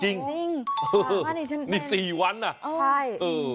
นี่สี่วันอ่ะเออบ๊วยนี่สี่วันอ่ะใช่